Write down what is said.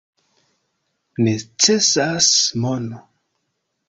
Necesas mono.